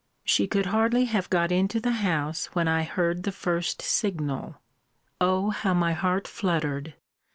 She could hardly have got into the house when I heard the first signal O how my heart fluttered!